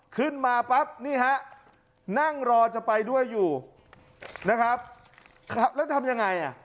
ขึ้นมาปั๊บนี่ฮะนั่งรอจะไปด้วยอยู่นะครับแล้วทำยังไงอ่ะ